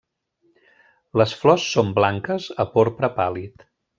Les flors són blanques a porpra pàl·lid.